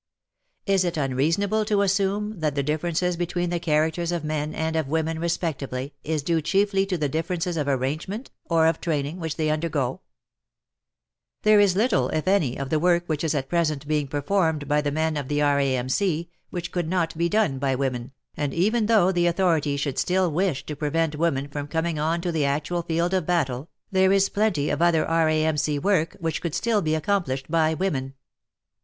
Is it unreasonable to assume that the differences between the characters of men and of women respectively, is due chiefly to the differences of arrangement^ or of training, which they undergo ? There is litde, if any, of the work which is at present being performed by the men of the R.A.M.C. which could not be done by women, and even though the authorities should still wish to prevent women from coming on to the actual field of battle, there is plenty of other R.A.M.C. work which could still be accom plished by women.